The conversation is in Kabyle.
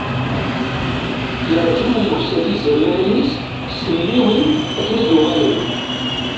Yerjem umeksa tizamarin-is s temriwin akken ad d-uɣalent.